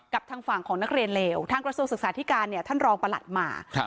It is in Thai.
กับทางฝั่งของนักเรียนเลวทางกระทรวงศึกษาธิการเนี่ยท่านรองประหลัดมา